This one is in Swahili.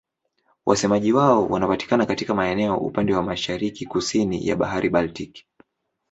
Wasemaji wao wanapatikana katika maeneo upande wa mashariki-kusini ya Bahari Baltiki.